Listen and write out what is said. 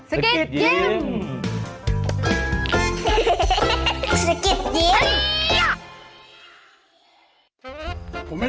สกิดยิ้ม